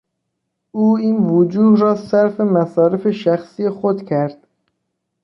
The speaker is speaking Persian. او این وجوه را صرف مصارف شخصی خود کرد.